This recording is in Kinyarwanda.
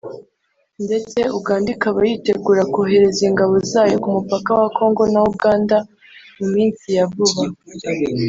ndetse uganda ikaba yitegura kohereza ingabo zayo ku mupaka wa Congo na Uganda mu minsi ya vuba